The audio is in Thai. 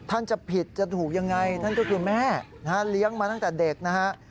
ท่านจะผิดจะถูกยังไงท่านก็คือแม่นะฮะเลี้ยงมาตั้งแต่เด็กนะฮะ